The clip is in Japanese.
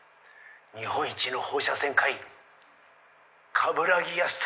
日本一の放射線科医鏑木安富